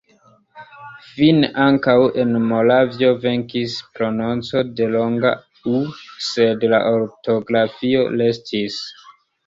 Fine ankaŭ en Moravio venkis prononco de longa u, sed la ortografio restis.